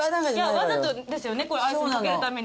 わざとですよねアイスにかけるために。